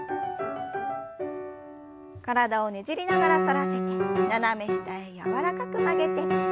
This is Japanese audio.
体をねじりながら反らせて斜め下へ柔らかく曲げて。